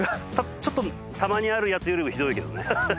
ちょっとたまにあるやつよりもひどいけどね。